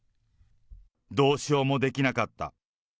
どうしようもできなかった。